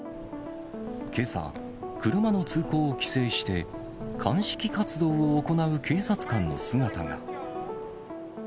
けさ、車の通行を規制して、鑑識活動を行う警察官の姿が。